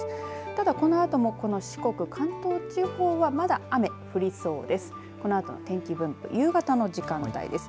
ただ、このあとも四国関東地方はまだ雨降りそうです。